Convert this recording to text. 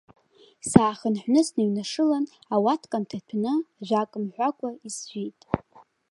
Саахынҳәны сныҩнашылан, ауатка нҭаҭәаны, ажәак мҳәакәа, изжәит.